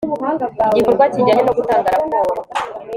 igikorwa kijyanye no gutanga raporo